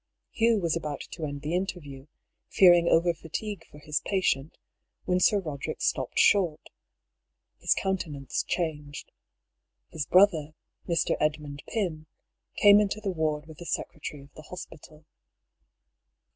Hugh was about to end the interview, fearing overfatigue for his patient, when Sir Boderick stopped short His countenance changed. His brother, Mr. Edmund Pym, came into the ward with the secretary of the hospital.